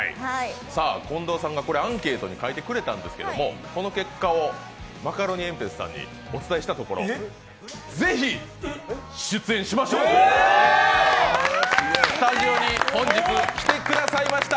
近藤さんがアンケートに書いてくれたんですけどこの結果をマカロニえんぴつさんにお伝えしたところ、ぜひ出演しましょうと、スタジオに本日、来てくださいました。